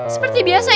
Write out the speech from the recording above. seperti biasa ya